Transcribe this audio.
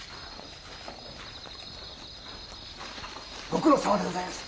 ご苦労さまでございます。